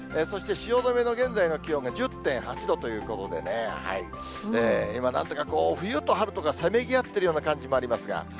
そして汐留の現在の気温が１０．８度ということで、今、なんとか冬と春とがせめぎ合ってるような感じもありますが。